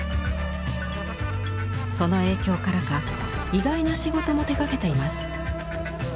その影響からか意外な仕事も手がけています。